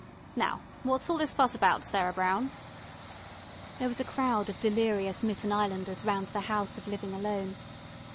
Now, what's all this fuss about, Sarah Brown?" There was a crowd of delirious Mitten Islanders round the House of Living Alone.